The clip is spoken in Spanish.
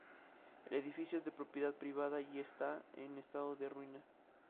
El edificio es de propiedad privada y está en estado de ruina.